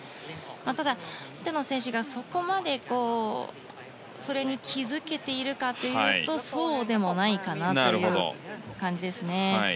ただ、インタノン選手がそこまでそれに気づけているかというとそうでもないかなという感じですね。